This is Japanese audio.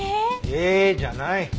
「えーっ！」じゃない。